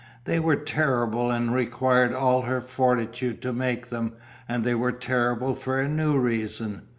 They were terrible and required all her fortitude to make them, and they were terrible for a new reason.